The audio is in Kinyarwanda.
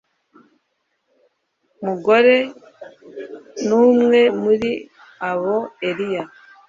mugore n umwe muri abo Eliya